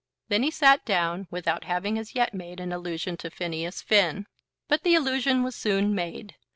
Then he sat down without having as yet made an allusion to Phineas Finn. But the allusion was soon made.